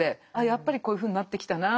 やっぱりこういうふうになってきたな。